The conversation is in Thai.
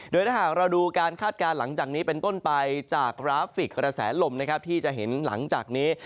โดยถ้าหากเราดูการคาดการณ์หลังจากนี้เป็นต้นไปจากกราฟิกกระแสลมนะครับที่จะเห็นหลังจากนี้